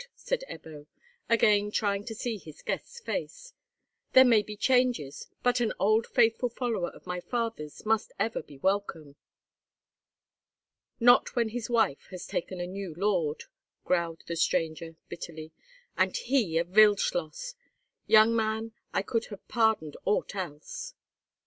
said Ebbo, again trying to see his guest's face. "There may be changes, but an old faithful follower of my father's must ever be welcome." "Not when his wife has taken a new lord," growled the stranger, bitterly, "and he a Wildschloss! Young man, I could have pardoned aught else!"